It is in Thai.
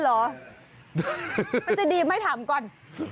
มันจะดีมั้ยถามก่อน